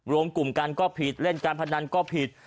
รวมกลุ่มกันก็ผิดเล่นการพนันก็ผิด